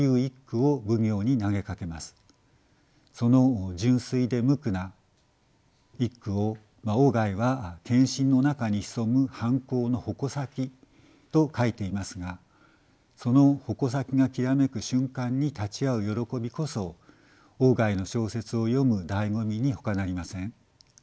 その純粋で無垢な一句を外は献身の中に潜む反抗の矛先と書いていますがその矛先がきらめく瞬間に立ち会う喜びこそ外の小説を読むだいご味にほかなりません。